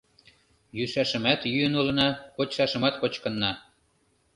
Йӱшашымат йӱын улына, кочшашымат кочкынна